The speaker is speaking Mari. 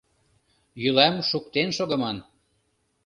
Йӱлам шуктен шогыман.